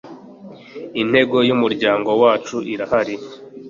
intego y umuryango wacu irahari